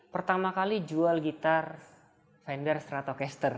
pertama kali jual gitar vendor stratocaster